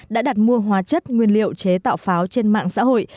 đã đặt mua hóa chất nguyên liệu chế tạo pháo trên mạng xã hội